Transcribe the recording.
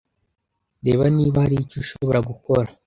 Reba niba hari icyo ushobora gukora